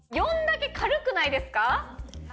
だけ軽くないですか？